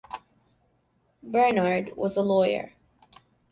Bernhard was a lawyer.